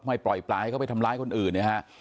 ไม่ปล่อยปลายเขาไปทำร้ายคนอื่นนะฮะ